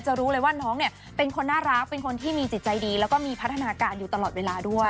รู้เลยว่าน้องเนี่ยเป็นคนน่ารักเป็นคนที่มีจิตใจดีแล้วก็มีพัฒนาการอยู่ตลอดเวลาด้วย